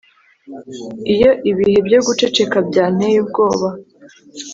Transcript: iyo ibihe byo guceceka byanteye ubwoba